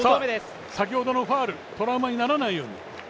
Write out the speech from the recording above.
先ほどのファウル、トラウマにならないように。